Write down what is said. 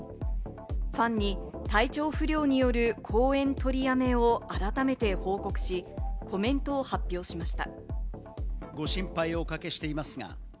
ファンに体調不良による公演取り止めを改めて報告し、コメントを発表しました。